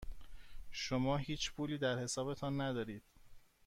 شما هیچ پولی در حسابتان ندارید.